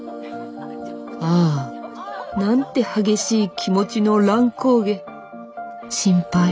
ああなんて激しい気持ちの乱高下。